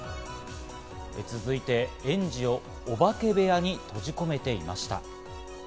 続いて、園児をお化け部屋に閉じ込めていました。